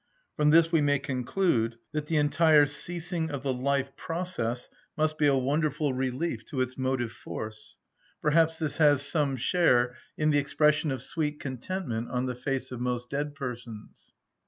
From this we may conclude that the entire ceasing of the life process must be a wonderful relief to its motive force; perhaps this has some share in the expression of sweet contentment on the faces of most dead persons.